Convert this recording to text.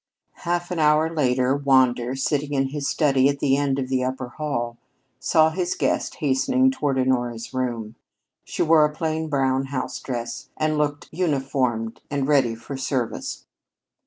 Half an hour later, Wander, sitting in his study at the end of the upper hall, saw his guest hastening toward Honora's room. She wore a plain brown house dress and looked uniformed and ready for service.